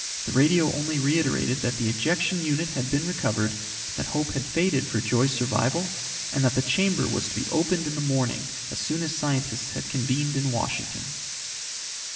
The radio only reiterated that the ejection unit had been recovered, that hope had faded for Joy's survival and that the chamber was to be opened in the morning as soon as scientists had convened in Washington.